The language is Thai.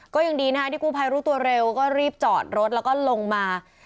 ก็ยังดีนะคะที่กู้ภัยรู้ตัวเร็วก็รีบจอดรถแล้วก็ลงมา